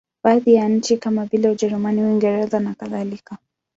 Baadhi ya nchi kama vile Ujerumani, Uingereza nakadhalika.